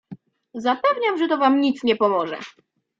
"Zapewniam, że to wam nic nie pomoże."